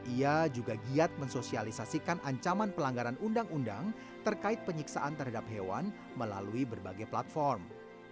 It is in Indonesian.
ia juga giat mensosialisasikan ancaman pelanggaran undang undang terkait penyiksaan terhadap hewan melalui berbagai platform